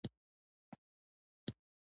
پیلوټ د سپوږمۍ له ښکلا خوند اخلي.